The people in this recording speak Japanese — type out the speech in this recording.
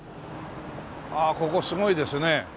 ああここすごいですね。